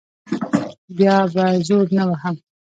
بیا به زور نه وهم.